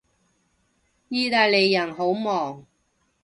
意大利人好忙